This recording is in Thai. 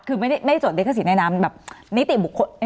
คือไม่ได้จดลิขสิทธิในนามแบบนิติบุคคล